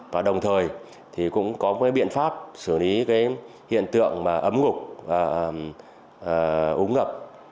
và đồng thời cũng có biện pháp xử lý hiện tượng ấm ngục úng ngập